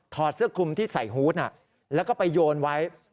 เสื้อคุมที่ใส่ฮูตแล้วก็ไปโยนไว้